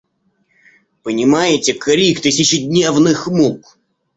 Понимаете крик тысячедневных мук?